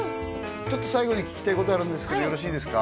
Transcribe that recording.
ちょっと最後に聞きたいことあるんですけどよろしいですか？